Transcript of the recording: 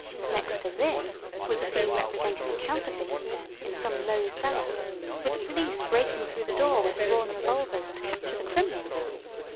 Next to this was a scene representing a counterfeiter's den in some low cellar, with the police breaking through the door with drawn revolvers, to capture the criminals.